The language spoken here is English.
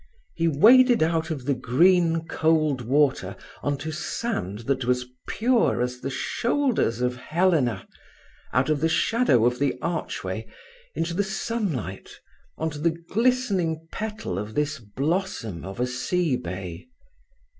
He waded out of the green, cold water on to sand that was pure as the shoulders of Helena, out of the shadow of the archway into the sunlight, on to the glistening petal of this blossom of a sea bay.